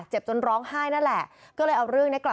เจ็บจนร้องไห้นั่นแหละ